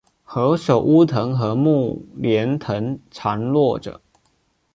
何首乌藤和木莲藤缠络着